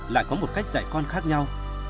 lại có một cách dạy con khác nhau